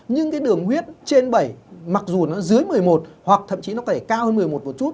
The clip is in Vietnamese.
nhưng cái đường huyết trên bảy mm mặc dù nó dưới một mươi một mm hoặc thậm chí nó có thể cao hơn một mươi một mm một chút